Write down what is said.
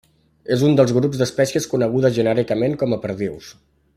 És un dels grups d'espècies conegudes genèricament com a perdius.